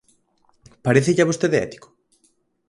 ¿Parécelle a vostede ético?